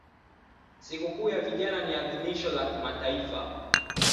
Siku kuu ya vijana ni adhimisho la kimataifa